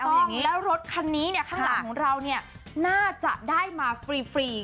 แล้วรถคันนี้ข้างหลังของเราน่าจะได้มาฟรี